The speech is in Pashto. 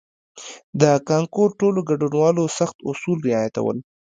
د کانکور ټولو ګډونوالو سخت اصول رعایتول.